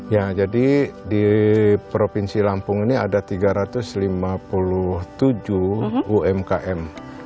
ya jadi di provinsi lampung ini ada tiga ratus lima puluh tujuh umkm